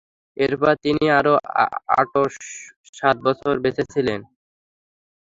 এরপর তিনি আরো আটশ সাত বছর বেঁচেছিলেন।